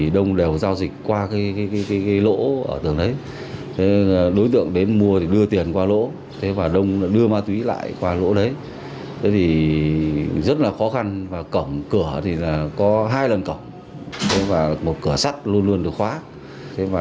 do gặp vấn đề khó khăn và cổng cửa thì có hai lần cổng một cửa sắt luôn luôn được khóa